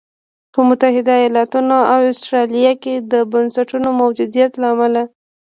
په متحده ایالتونو او اسټرالیا کې د بنسټونو موجودیت له امله.